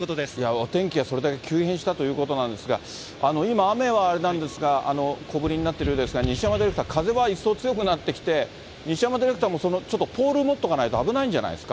お天気はそれだけ急変したということなんですが、今、雨はあれなんですが、小降りになってるようですが、西山ディレクター、風は一層強くなってきて、西山ディレクターもちょっとポール持っとかないと危ないんじゃないですか。